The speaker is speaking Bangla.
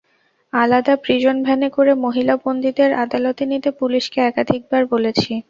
আলাদা প্রিজন ভ্যানে করে মহিলা বন্দীদের আদালতে নিতে পুলিশকে একাধিকবার বলেছি।